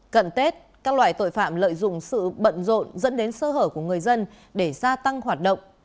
cận tết các loại tội phạm lợi dụng sự bận rộn dẫn đến sơ hở của người dân để gia tăng hoạt động